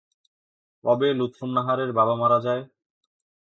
কবে লুৎফুন্নাহারের বাবা মারা যায়?